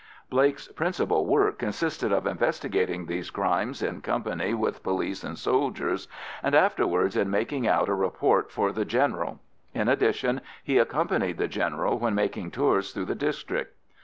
Blake's principal work consisted of investigating these crimes in company with police and soldiers, and afterwards in making out a report for the General. In addition, he accompanied the General when making tours through the district.